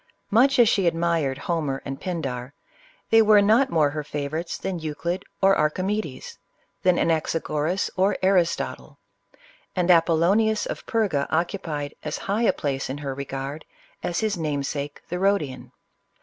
Much as she admired Homer and Pindar, they were not more her favor ites than Euclid or Archimedes, than Anaxagoras or<, Aristotle; and Apollonius of Perga occupied as high a place in her regard, as his namesake, the Rhodian.